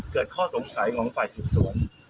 เกิดข้อสงสัยของฝ่ายศูนย์ส่วน